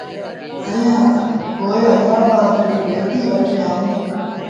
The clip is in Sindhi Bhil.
ائيٚݩ پو هيدرآبآد ريٚ ريتيٚ وٺي آئو۔